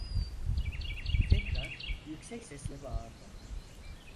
Tekrar yüksek sesle bağırdı...